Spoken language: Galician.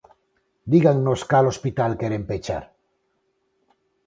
Dígannos cal hospital queren pechar.